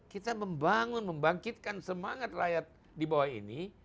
kita membangun membangkitkan semangat rakyat di bawah ini